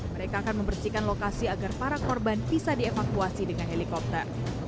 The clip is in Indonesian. mereka akan membersihkan lokasi agar para korban bisa dievakuasi dengan helikopter